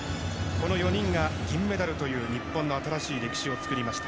この４人が銀メダルという日本の新しい歴史を作りました。